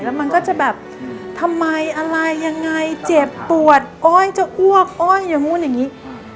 แล้วมันก็จะแบบทำไมอะไรยังไงเจ็บปวดอ้อยจะอ้วกอ้อยอย่างนู้นอย่างนี้